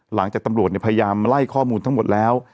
หลังจากตำรวจพยายามไล่ข้อมูลทั้งหมดแล้ว